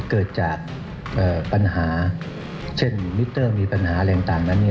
เกิดจากปัญหาเช่นมิเตอร์มีปัญหาอะไรต่างนั้น